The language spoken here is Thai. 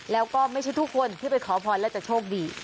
แล้วก็ไม่ใช่ทุกคนที่ไปขอพรแล้วจะโชคดี